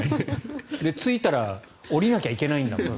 で、着いたら降りなきゃいけないんだもん。